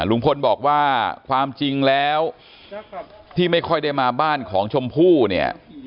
ลุงพลบอกว่าความจริงแล้วที่ไม่ค่อยได้มาบ้านของชมพู่เนี่ย